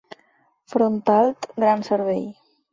Front alt, gran cervell.